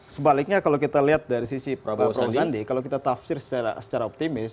sebaliknya kalau kita lihat dari sisi pak prabowo sandi kalau kita tafsir secara optimis